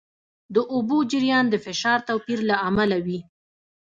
د اوبو جریان د فشار توپیر له امله وي.